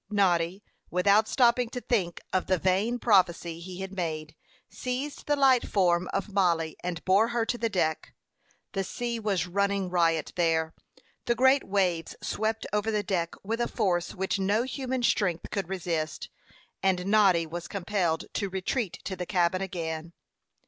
Noddy, without stopping to think of the vain prophecy he had made, seized the light form of Mollie, and bore her to the deck. The sea was running riot there; the great waves swept over the deck with a force which no human strength could resist, and Noddy was compelled to retreat to the cabin again.